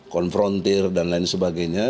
konfrontir dan lain sebagainya